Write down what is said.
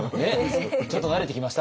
ちょっと慣れてきました？